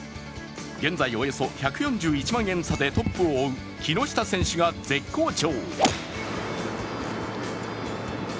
現在およそ１４１万円差でトップを追う木下選手が絶好調。